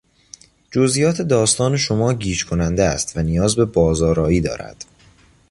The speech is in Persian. جزئیات داستان شما گیج کننده است و نیاز به بازآرایی دارد.